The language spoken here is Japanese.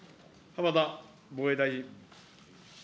浜田防衛大臣。